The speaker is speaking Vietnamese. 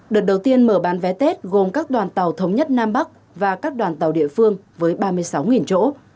đợt đầu tiên mở bán vé tết gồm các đoàn tàu thống nhất nam bắc và các đoàn tàu địa phương với ba mươi sáu chỗ